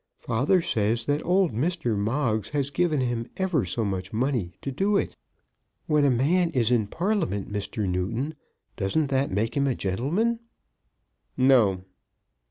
Father says that old Mr. Moggs has given him ever so much money to do it. When a man is in Parliament, Mr. Newton, doesn't that make him a gentleman?" "No."